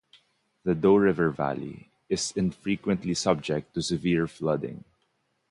The Doe River valley is infrequently subject to severe flooding.